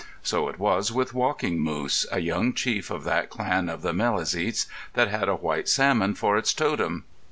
So it was with Walking Moose, a young chief of that clan of the Maliseets that had a white salmon for its totem.